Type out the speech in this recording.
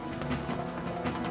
tidak ada apa apa